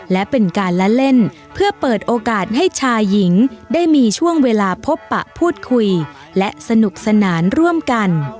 และเป็นการละเล่นเพื่อเปิดโอกาสให้ชายหญิงได้มีช่วงเวลาพบปะพูดคุยและสนุกสนานร่วมกัน